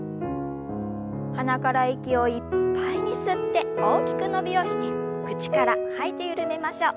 鼻から息をいっぱいに吸って大きく伸びをして口から吐いて緩めましょう。